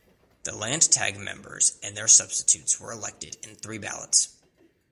The Landtag members and their substitutes were elected in three ballots.